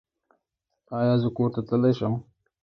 ایا زه کور ته تللی شم؟